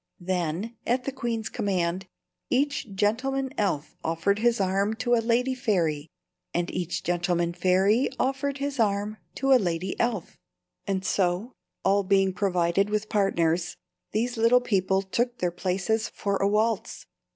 Then, at the queen's command, each gentleman elf offered his arm to a lady fairy, and each gentleman fairy offered his arm to a lady elf, and so, all being provided with partners, these little people took their places for a waltz.